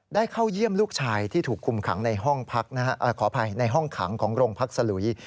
ได้เข้าเยี่ยมลูกชายที่ถูกคุมขังในห้องขังของโรงพักษ์สลุย